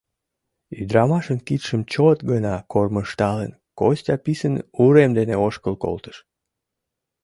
Ӱдрамашын кидшым чот гына кормыжталын, Костя писын урем дене ошкыл колтыш.